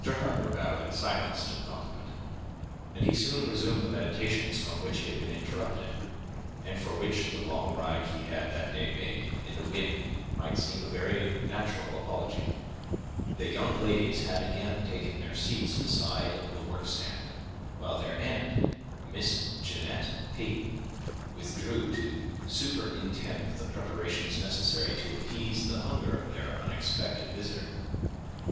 Harper bowed in silence to the compliment, and he soon resumed the meditations from which he had been interrupted, and for which the long ride he had that day made, in the wind, might seem a very natural apology. The young ladies had again taken their seats beside the workstand, while their aunt, Miss Jeanette Peyton, withdrew to superintend the preparations necessary to appease the hunger of their unexpected visitor.